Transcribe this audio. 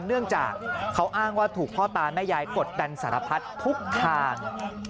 เนื่องจากเขาอ้างว่าถูกพ่อตาแม่ยายกดดันสารพัดทุกทาง